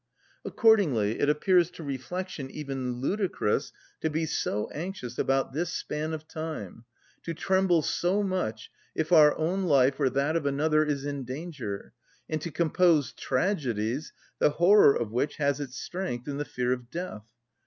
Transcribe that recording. Accordingly it appears to reflection even ludicrous to be so anxious about this span of time, to tremble so much if our own life or that of another is in danger, and to compose tragedies the horror of which has its strength in the fear of death.